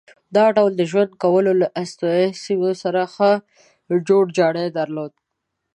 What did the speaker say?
دا ډول د ژوند کولو له استوایي سیمو سره ښه جوړ جاړی درلود.